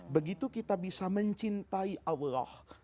begitu kita bisa mencintai allah